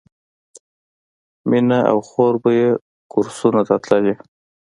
مینه او خور به یې کورسونو ته تللې